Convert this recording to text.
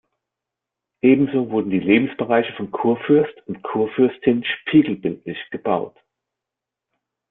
Ebenso wurden die Lebensbereiche von Kurfürst und Kurfürstin spiegelbildlich gebaut.